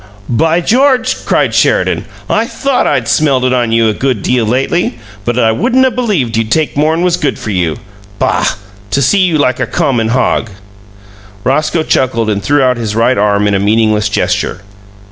"By George!" cried Sheridan. "I THOUGHT I'd smelt it on you a good deal lately, but I wouldn't 'a' believed you'd take more'n was good for you. Boh! To see you like a common hog!" Roscoe chuckled and threw out his right arm in a meaningless gesture.